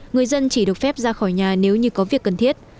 người dân chỉ được phép ra khỏi nhà nếu như có việc cần thiết